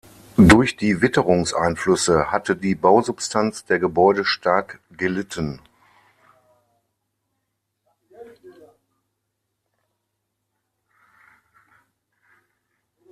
Durch die Witterungseinflüsse hatte die Bausubstanz der Gebäude stark gelitten.